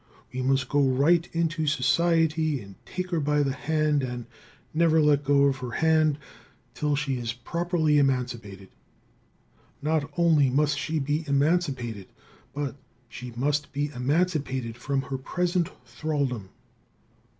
We must go right into society and take her by the hand and never let go of her hand till she is properly emancipated. Not only must she be emancipated, but she must be emancipated from her present thralldom.